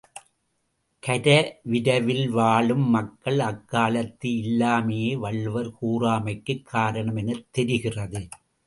கரவிரவில் வாழும் மக்கள் அக்காலத்து இல்லாமையே வள்ளுவர் கூறாமைக்குக் காரணம் எனத் தெரிகிறது.